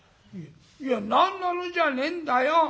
「いや何なのじゃねえんだよ。